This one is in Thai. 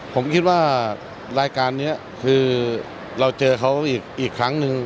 ผมคิดว่ารายการนี้คือเราเจอเขาอีกครั้งหนึ่ง